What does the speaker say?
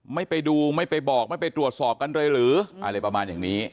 ไม่ไปดูไม่ไปบอกไม่ไปตรวจสอบกันเลยหรืออะไรประมาณอย่างนี้